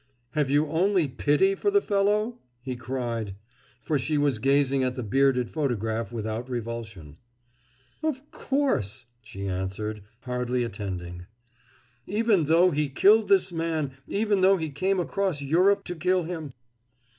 "Have you only pity for the fellow?" he cried; for she was gazing at the bearded photograph without revulsion. "Of course," she answered, hardly attending. "Even though he killed this man even though he came across Europe to kill him?"